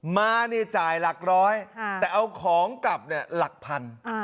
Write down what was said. มาเนี่ยจ่ายหลักร้อยแต่เอาของกลับเนี่ยหลักพัน